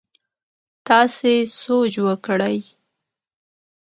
تاسي سوچ وکړئ!